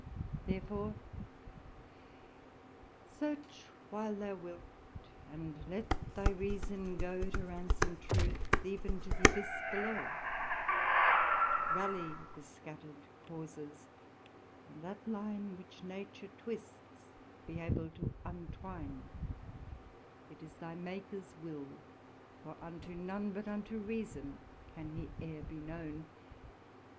Therefore, Search while thou wilt, and let thy reason go, To ransome truth, even to th' Abyss below; Rally the scattered Causes; and that line Which Nature twists, be able to untwine It is thy Makers will, for unto none, But unto reason can he e'er be known.